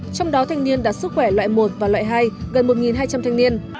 trong đó thanh niên đạt sức khỏe loại một và loại hai gần một hai trăm linh thanh niên